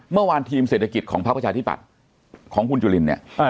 เมื่อวานทีมเศรษฐกิจของพักประชาธิปัตย์ของคุณจุลินเนี่ย